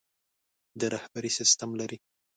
د رهبري سسټم لري.